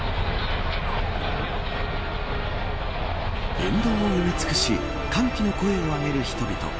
沿道を埋め尽くし歓喜の声を上げる人々。